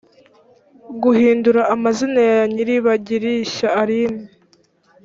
guhindura amazina ya nyirabagirishya aline